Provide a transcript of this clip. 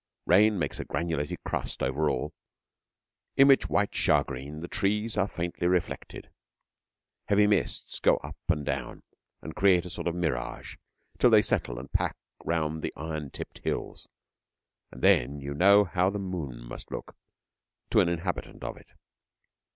Rain makes a granulated crust over all, in which white shagreen the trees are faintly reflected. Heavy mists go up and down, and create a sort of mirage, till they settle and pack round the iron tipped hills, and then you know how the moon must look to an inhabitant of it.